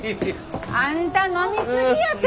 あんた飲み過ぎやて！